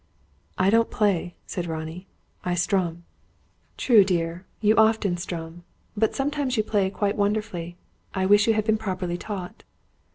"I don't play," said Ronnie. "I strum." "True, dear. You often strum. But sometimes you play quite wonderfully. I wish you had been properly taught!"